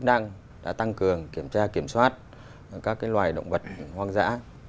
đang tăng cường kiểm tra kiểm soát các loài động vật hoang dã